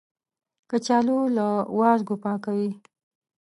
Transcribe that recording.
کچالو له وازګو پاکوي